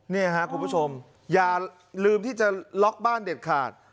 นี่ครับคุณผู้ชมอย่าลืมที่จะล็อกบ้านเด็ดขาด